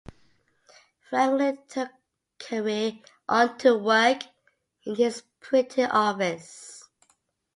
Franklin took Carey on to work in his printing office.